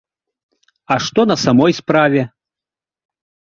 А што на самой справе?